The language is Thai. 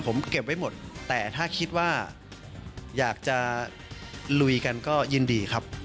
ผมเก็บไว้หมดแต่ถ้าคิดว่าอยากจะลุยกันก็ยินดีครับ